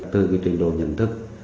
từ cái trình độ nhận thức